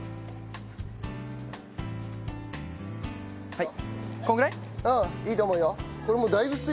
はい！